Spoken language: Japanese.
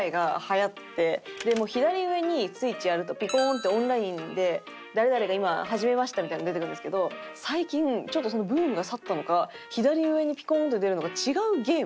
左上にＳｗｉｔｃｈやるとピコンってオンラインで「誰々が今始めました」みたいなの出てくるんですけど最近ちょっとそのブームが去ったのか左上にピコンって出るのが違うゲーム。